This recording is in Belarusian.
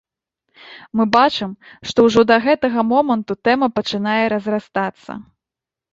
Мы бачым, што ўжо да гэтага моманту тэма пачынае разрастацца.